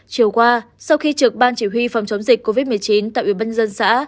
chiều qua sau khi trực ban chỉ huy phòng chống dịch covid một mươi chín tại ubnd xã